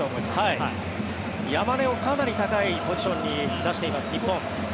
山根をかなり高いポジションに出しています、日本。